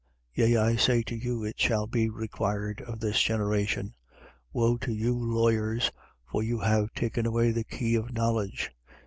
Yea I say to you: It shall be required of this generation. 11:52. Woe to you lawyers, for you have taken away the key of knowledge.